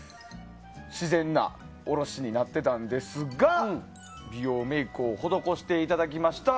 自然な下ろしになってたんですが美容メイクを施していただきました